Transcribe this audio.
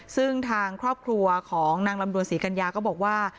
ซึ่งทางครอบครัวของนางลำดวนศรีกัญญาก็บอกว่า